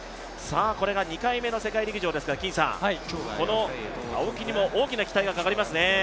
これが２回目の世界陸上ですから金さん、この青木にも大きな期待がかかりますね。